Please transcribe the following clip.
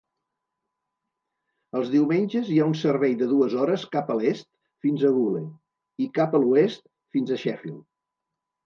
Els diumenges hi ha un servei de dues hores cap a l'est fins a Goole, i cap a l'oest fins a Sheffield.